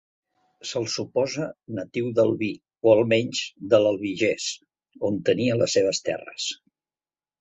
Se'l suposa natiu d'Albi o almenys de l'Albigès on tenia les seves terres.